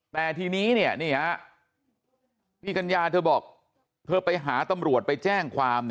แต่ทีนี้พี่กัญญาเธอบอกเธอไปหาตำรวจไปแจ้งความ